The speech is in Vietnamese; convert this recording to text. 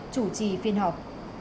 chủ trì phiên họp